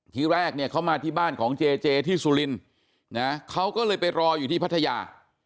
ทีแรกเนี่ยเขามาที่บ้านของเจเจที่สุรินทร์นะเขาก็เลยไปรออยู่ที่พัทยา